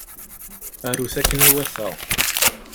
Arut akken iwata.